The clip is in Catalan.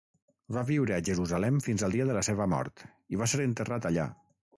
Va viure a Jerusalem fins el dia de la seva mort, i va ser enterrat allà.